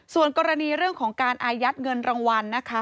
ส่วนกรณีเรื่องของการอายัดเงินรางวัลนะคะ